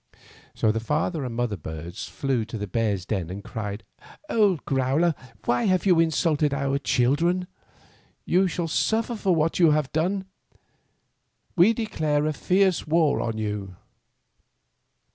So the father and mother birds fiew to the 85 Fairy Tale Bears bear's den and cried: ''Old Growler, why have you insulted our children? You shall sufiFer for what you have done. We declare a fierce war on you."